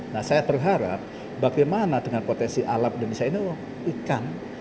nah saya berharap bagaimana dengan potensi alam indonesia ini ikan